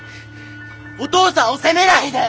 お父さんを責めないで！